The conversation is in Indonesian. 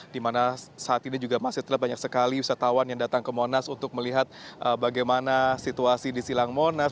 di mana saat ini juga masih terlihat banyak sekali wisatawan yang datang ke monas untuk melihat bagaimana situasi di silang monas